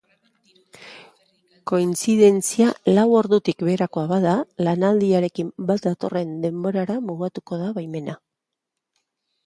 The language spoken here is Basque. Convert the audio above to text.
Kointzidentzia lau ordutik beherakoa bada, lanaldiarekin bat datorren denborara mugatuko da baimena.